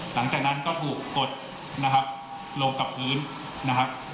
หลังจากนั้นก็ถูกกดลงกับพื้น